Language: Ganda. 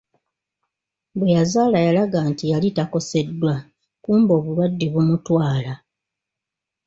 Bwe yazaala yalaga nti yali takoseddwa, kumbe obulwadde bumutwala!